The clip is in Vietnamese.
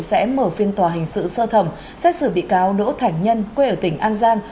sẽ mở phiên tòa hình sự sơ thẩm xét xử bị cáo đỗ thảnh nhân quê ở tỉnh an giang